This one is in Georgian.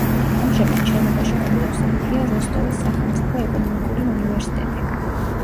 ამჟამად შენობაში განთავსებულია როსტოვის სახელმწიფო ეკონომიკური უნივერსიტეტი.